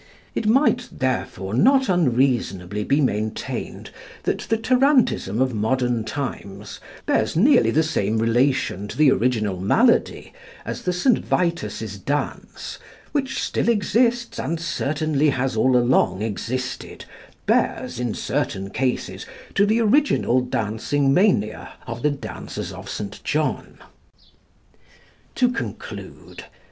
It might, therefore, not unreasonably be maintained that the tarantism of modern times bears nearly the same relation to the original malady as the St. Vitus's dance which still exists, and certainly has all along existed, bears, in certain cases, to the original dancing mania of the dancers of St. John. To conclude.